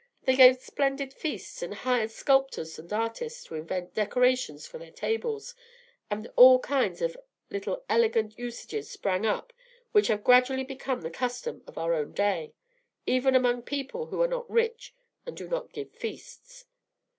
They gave splendid feasts, and hired sculptors and artists to invent decorations for their tables, and all kinds of little elegant usages sprang up which have gradually become the custom of our own day, even among people who are not rich and do not give feasts."